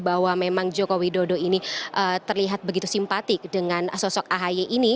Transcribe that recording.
bahwa memang joko widodo ini terlihat begitu simpatik dengan sosok ahy ini